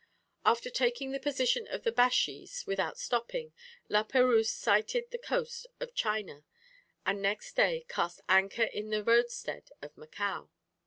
After taking the position of the Bashees, without stopping, La Perouse sighted the coast of China, and next day cast anchor in the roadstead of Macao.